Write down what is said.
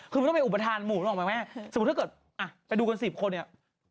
คือมันต้องเป็นอุปทานหมู่นึกออกไหมแม่สมมุติถ้าเกิดอ่ะไปดูกัน๑๐คนเนี่ย